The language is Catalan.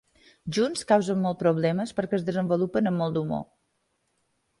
Junts causen molts problemes que es desenvolupen amb molt d'humor.